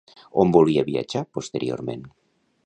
On volia viatjar posteriorment?